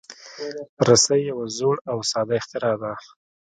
رسۍ یو زوړ او ساده اختراع ده.